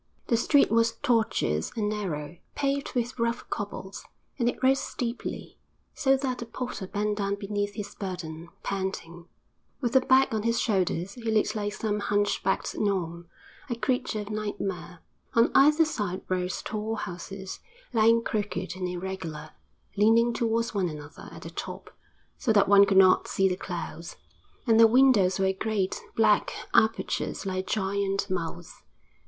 The street was tortuous and narrow, paved with rough cobbles; and it rose steeply, so that the porter bent lower beneath his burden, panting. With the bag on his shoulders he looked like some hunchbacked gnome, a creature of nightmare. On either side rose tall houses, lying crooked and irregular, leaning towards one another at the top, so that one could not see the clouds, and their windows were great, black apertures like giant mouths.